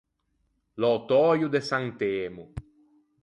L’ötöio de Sant’Emo.